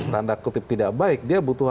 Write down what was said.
tanda kutip tidak baik dia butuh